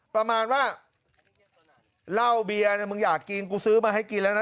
ประมาณว่าเหล้าเบียร์เนี่ยมึงอยากกินกูซื้อมาให้กินแล้วนะ